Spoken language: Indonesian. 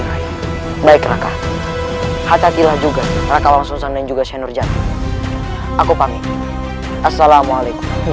raih baik raka hati hatilah juga raka langsung dan juga senurjati aku pamit assalamualaikum